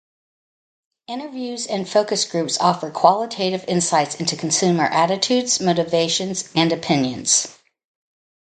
Interviews and focus groups offer qualitative insights into consumer attitudes, motivations, and opinions.